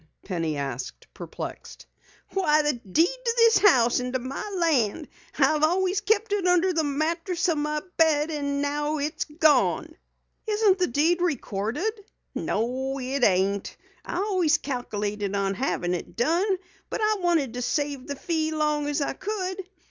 Penny asked, perplexed. "Why, the deed to this house and my land! I've always kept it under the mattress o' my bed. Now it's gone!" "Isn't the deed recorded?" "No, it ain't. I always calculated on havin' it done, but I wanted to save the fee long as I could.